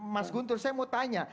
mas guntur saya mau tanya